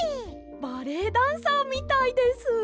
バレエダンサーみたいです。